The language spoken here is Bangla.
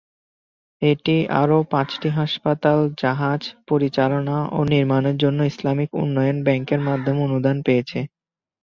এটি আরও পাঁচটি হাসপাতাল জাহাজ পরিচালনা ও নির্মাণের জন্য ইসলামিক উন্নয়ন ব্যাংকের মাধ্যমে অনুদান পেয়েছে।